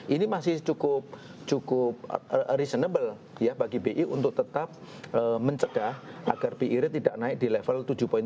ini masih cukup reasonable bagi bi untuk tetap mencegah agar bi rate tidak naik di level tujuh